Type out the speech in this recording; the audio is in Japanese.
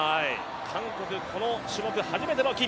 韓国、この種目初めての金。